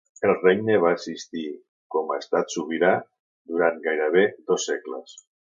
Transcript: El regne va existir com a estat sobirà durant gairebé dos segles.